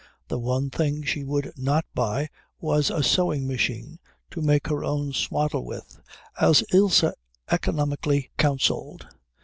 The one thing she would not buy was a sewing machine to make her own swaddle with, as Ilse economically counselled.